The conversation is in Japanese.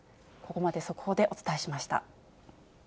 ここまで速報でお伝えしました。